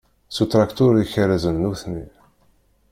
S utraktur i kerrzen nutni.